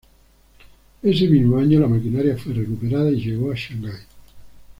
Ese mismo año la maquinaria fue recuperada y llegó a Shanghái.